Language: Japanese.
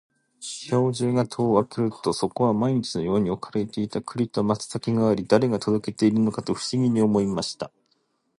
兵十が戸を開けると、そこには毎日のように置かれていた栗と松茸があり、誰が届けているのかと不思議に思いました。